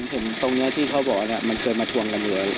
ผมตรงเนี้ยที่เขาบอกแล้วมันเคยมาทวงกันเหลือ